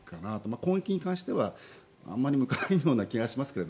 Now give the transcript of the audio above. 攻撃に関してはあまり向かないような気がしますけど。